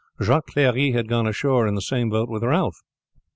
Jacques Clery had gone ashore in the same boat with Ralph.